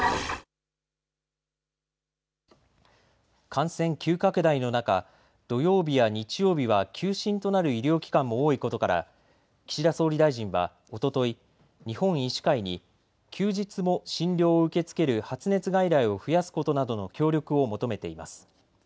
感染急拡大の中、土曜日や日曜日は休診となる医療機関も多いことから岸田総理大臣はおととい日本医師会に休日も診療を受け付ける発熱外来を増やすことなどの協力を求めています。